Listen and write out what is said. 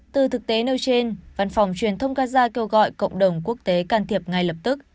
từ thực tế nêu trên văn phòng truyền thông gaza kêu gọi cộng đồng quốc tế can thiệp ngay lập tức